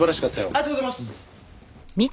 ありがとうございます。